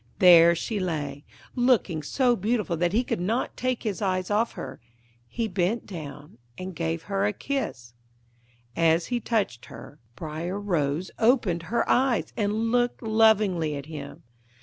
There she lay, looking so beautiful that he could not take his eyes off her; he bent down and gave her a kiss. As he touched her, Briar Rose opened her eyes and looked lovingly at him.